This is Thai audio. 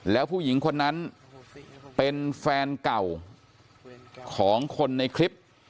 แล้วผู้หญิงคนนั้นเป็นแฟนเก่าของคนในคลิป